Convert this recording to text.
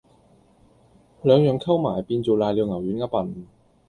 兩樣溝埋變做攋尿牛丸吖笨